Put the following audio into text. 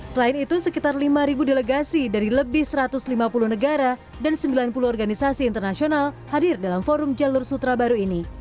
selain itu sekitar lima delegasi dari lebih satu ratus lima puluh negara dan sembilan puluh organisasi internasional hadir dalam forum jalur sutra baru ini